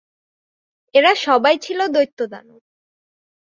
এরা সবাই ছিল দৈত্য-দানব।